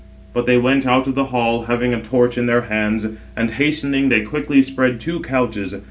But they went out of the hall, having a torch in their hands, and hastening, they quickly spread two couches.